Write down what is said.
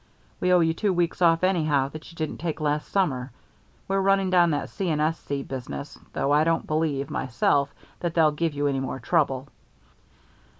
We owe you two weeks off, anyhow, that you didn't take last summer. We're running down that C. & S. C. business, though I don't believe, myself, that they'll give you any more trouble."